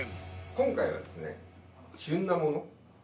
今回はですね、旬なもの。